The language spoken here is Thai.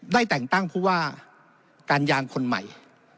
แต่งตั้งผู้ว่าการยางคนใหม่